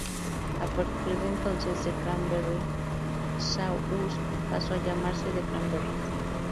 A partir de entonces, "The Cranberry Saw Us" pasó a llamarse "The Cranberries".